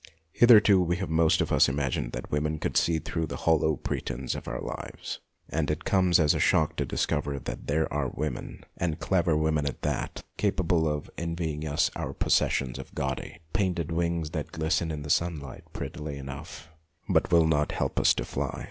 Hitherto \ve have most of us imagined that women could see through the hollow pretence of our lives, and it comes as a shock to discover that there are women, and clever women at that, capable of envy ing us our possession of gaudy, painted wings that glisten in the sunlight prettily enough, but will not help us to fly.